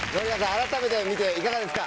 改めて見ていかがですか？